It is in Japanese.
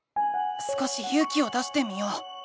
少しゆう気を出してみよう。